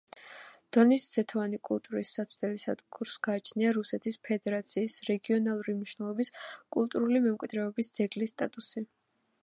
დონის ზეთოვანი კულტურების საცდელი სადგურს გააჩნია რუსეთის ფედერაციის რეგიონალური მნიშვნელობის კულტურული მემკვიდრეობის ძეგლის სტატუსი.